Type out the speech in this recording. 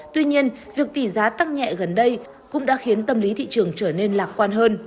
tuy nhiên việc tỷ giá tăng nhẹ gần đây cũng đã khiến tâm lý thị trường trở nên lạc quan hơn